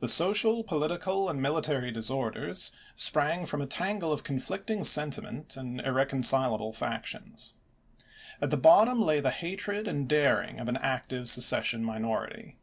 The social, political, and military disorders sprang from a tangle of conflict ing sentiment and irreconcilable factions. At the bottom lay the hatred and daring of an active secession minority.